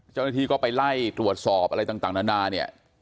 เจ้าหน้าที่ก็ไปไล่ตรวจสอบอะไรต่างนานาเนี่ย